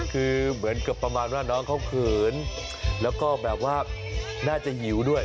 คือเหมือนกับประมาณว่าน้องเขาเขินแล้วก็แบบว่าน่าจะหิวด้วย